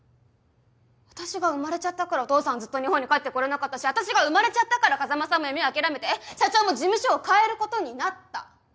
私が生まれちゃったからお父さんはずっと日本に帰って来れなかったし私が生まれちゃったから風真さんも夢を諦めて社長も事務所を変えることになった。